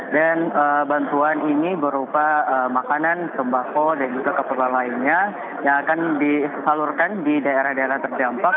dan bantuan ini berupa makanan sembako dan juga keperluan lainnya yang akan disalurkan di daerah daerah terdampak